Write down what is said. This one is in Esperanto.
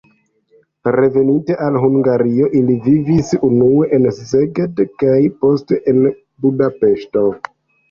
Reveninte al Hungario, ili vivis unue en Szeged kaj poste en Budapeŝto.